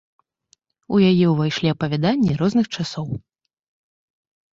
У яе ўвайшлі апавяданні розных часоў.